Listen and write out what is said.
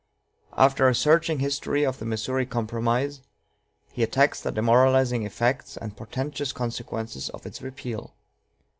After a searching history of the Missouri Compromise, he attacks the demoralizing effects and portentous consequences of its repeal.